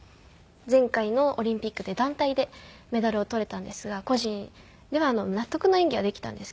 前回のオリンピックで団体でメダルを取れたんですが個人では納得の演技はできたんですけど。